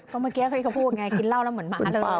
เพราะเมื่อกี้เขาพูดไงกินเหล้าแล้วเหมือนหมาเลย